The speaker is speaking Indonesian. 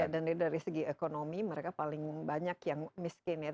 dan dari segi ekonomi mereka paling banyak yang miskin